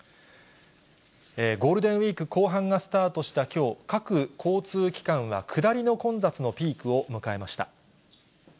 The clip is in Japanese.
ゴールデンウィーク後半がスタートしたきょう、各交通機関は下りの混雑のピークを迎えました。